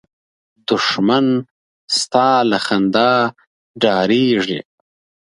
دښمن ستا له خندا ډارېږي